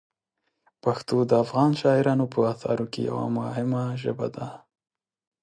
پښتو د افغان شاعرانو په اثارو کې یوه مهمه ژبه ده.